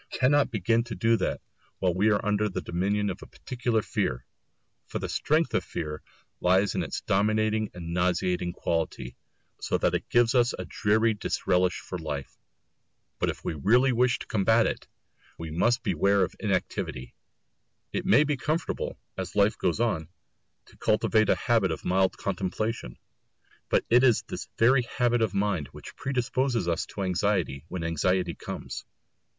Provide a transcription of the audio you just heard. We cannot begin to do that while we are under the dominion of a particular fear, for the strength of fear lies in its dominating and nauseating quality, so that it gives us a dreary disrelish for life; but if we really wish to combat it, we must beware of inactivity; it may be comfortable, as life goes on, to cultivate a habit of mild contemplation, but it is this very habit of mind which predisposes us to anxiety when anxiety comes.